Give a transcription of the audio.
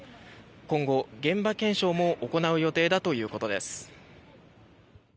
今後、現場検証も行う予定だということです。